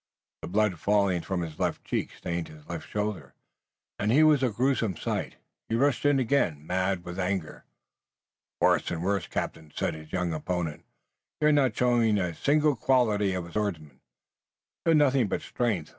The blood falling from his left cheek stained his left shoulder and he was a gruesome sight. He rushed in again, mad with anger. "Worse and worse, captain," said his young opponent. "You're not showing a single quality of a swordsman. You've nothing but strength.